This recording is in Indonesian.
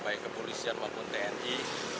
baik kepolisian maupun tni